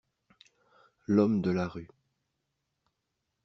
“l’homme de la rue”.